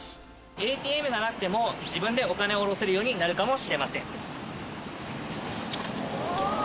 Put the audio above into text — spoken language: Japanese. ＡＴＭがなくても自分でお金を下ろせるようになるかもしれません。